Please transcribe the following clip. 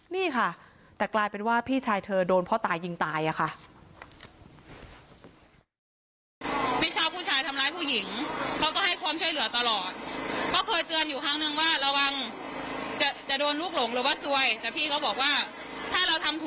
นี่ค่ะแต่กลายเป็นว่าพี่ชายเธอโดนพ่อตายิงตายอะค่ะ